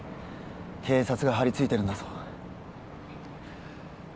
警察が張り付いてるんだぞ